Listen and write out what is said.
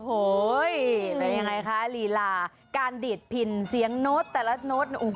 โอ้โหยยยยยวัยยยยวัยยยยยยว่ายยังไงคะหลีหลาการดีตปินเสียงนดแต่ละนด